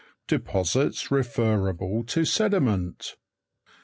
DEPOSITS REFERABLE TO SEDIMENT.